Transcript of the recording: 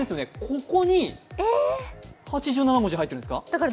ここに８７文字入ってるんですか。